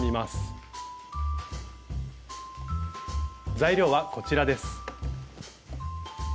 材料はこちらです。